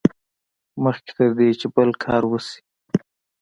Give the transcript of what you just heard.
مخکې تر دې چې بل کار وشي.